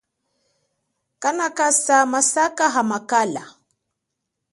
Kana kasa masaka amakala.